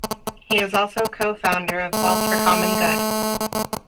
He is also co-founder of Wealth for Common Good.